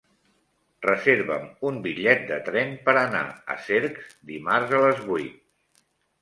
Reserva'm un bitllet de tren per anar a Cercs dimarts a les vuit.